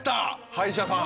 歯医者さん。